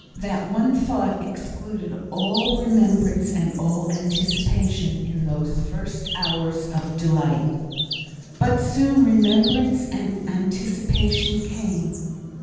That one thought excluded all remembrance and all anticipation, in those first hours of delight. But soon remembrance and anticipation came.